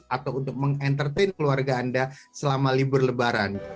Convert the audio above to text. atau untuk mengembangkan keluarga anda selama libur lebaran